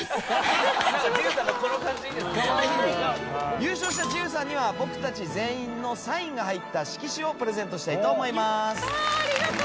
優勝した慈雨さんには僕たち全員のサインが入った色紙をプレゼントしたいと思います。